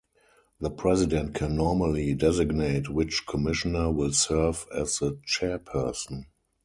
The president can normally designate which commissioner will serve as the chairperson.